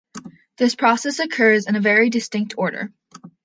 This process occurs in a very distinct order.